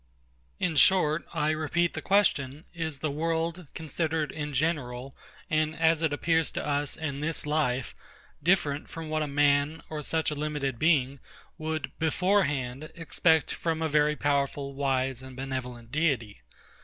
In short, I repeat the question: Is the world, considered in general, and as it appears to us in this life, different from what a man, or such a limited being, would, beforehand, expect from a very powerful, wise, and benevolent Deity?